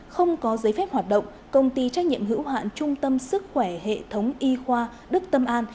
không có giấy phép hoạt động công ty trách nhiệm hữu hạn trung tâm sức khỏe hệ thống y khoa đức tâm an